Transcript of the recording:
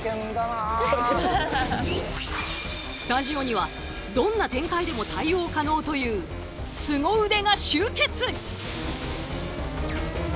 スタジオにはどんな展開でも対応可能というすご腕が集結。